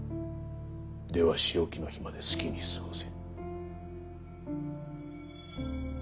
では仕置きの日まで好きに過ごせ。